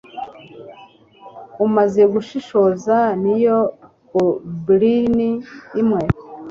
Umaze gushishoza niyo goblin imwe